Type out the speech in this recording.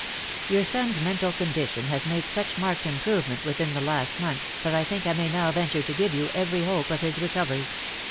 "Your son's mental condition has made such marked improvement within the last month that I think I may now venture to give you every hope of his recovery.